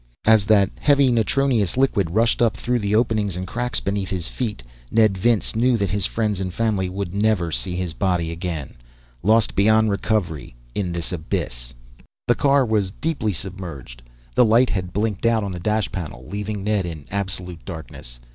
As that heavy, natronous liquid rushed up through the openings and cracks beneath his feet, Ned Vince knew that his friends and his family would never see his body again, lost beyond recovery in this abyss. The car was deeply submerged. The light had blinked out on the dash panel, leaving Ned in absolute darkness.